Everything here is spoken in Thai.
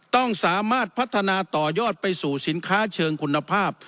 ต้องสามารถพัฒนาต่อยอดไปสู่สินค้าเชิงคุณภาพ